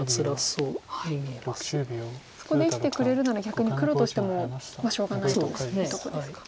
そこで生きてくれるなら逆に黒としてもしょうがないというとこですか。